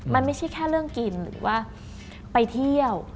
มันไม่ใช่แค่เรื่องกินหรือว่าไปเที่ยว